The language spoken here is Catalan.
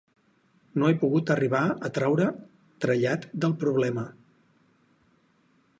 No he pogut arribar a traure trellat del problema.